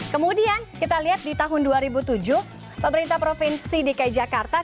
kemudian kita lihat di tahun dua ribu tujuh pemerintah provinsi dki jakarta